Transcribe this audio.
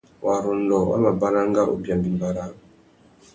Warrôndô wá mà baranga ubia mbîmbà râā.